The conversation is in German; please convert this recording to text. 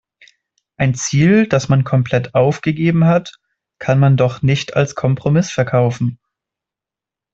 Ein Ziel, das man komplett aufgegeben hat, kann man doch nicht als Kompromiss verkaufen.